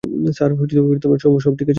Sir, সব ঠিক আছে তো?